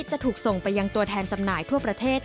จะถูกส่งไปยังตัวแทนจำหน่ายทั่วประเทศ